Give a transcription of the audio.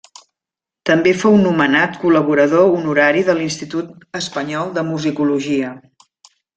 També fou nomenat col·laborador honorari de l'Institut Espanyol de Musicologia.